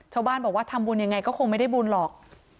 ชาวบ้านบอกว่าทำบุญยังไงก็คงไม่ได้บุญหรอก